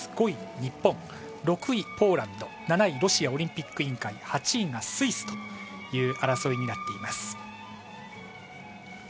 ５位、日本６位、ポーランド７位、ロシアオリンピック委員会８位がスイスという争いになっています。